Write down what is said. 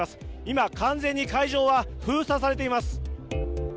今、完全に会場は封鎖されています。